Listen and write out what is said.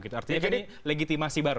artinya jadi legitimasi baru